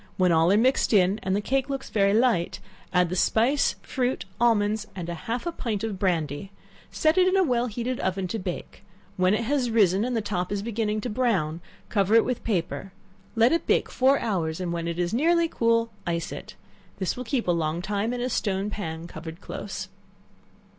When all are mixed in, and the cake looks very light, add the spice, fruit, almonds, and half a pint of brandy; set it in a well heated oven to bake; when it has risen, and the top is beginning to brown, cover it with paper; let it bake four hours, and when it is nearly cool, ice it. This will keep a long time in a stone pan, covered close.